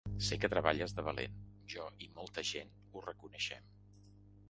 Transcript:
Sé que treballes de valent, jo i molta gent ho reconeixem.